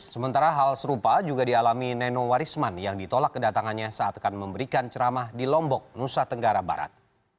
sementara hal serupa juga dialami nenowarisman yang ditolak kedatangannya saat akan memberikan ceramah di lombok nusa tenggara barat